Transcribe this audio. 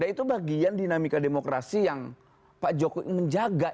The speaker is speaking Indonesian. dan itu bagian dinamika demokrasi yang pak jokowi menjaga